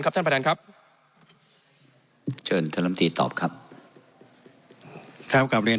ครับท่านประทานครับเชิญเสมอที่ตอบครับกรอบบริเวณ